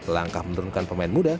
langkah menurunkan pemain muda